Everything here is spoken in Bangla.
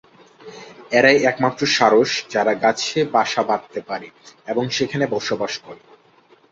এরাই একমাত্র সারস যারা গাছে বাসা বাঁধতে পারে এবং সেখানে বসবাস করে।